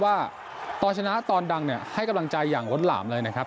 ว่าตอนชนะตอนดังเนี่ยให้กำลังใจอย่างล้นหลามเลยนะครับ